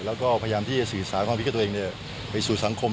แล้วก็พยายามที่จะสื่อสารความคิดของตัวเองไปสู่สังคม